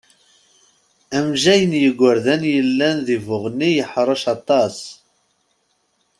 Amejjay n yigerdan yellan di Buɣni yeḥrec aṭas.